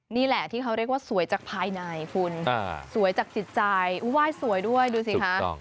นี่แหละที่เขาเรียกว่าสวยจากภายในคุณสวยจากจิตใจไหว้สวยด้วยดูสิคะ